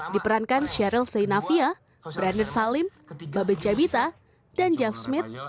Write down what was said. diperankan cheryl zainavia brandon salim baben jabita dan jeff smith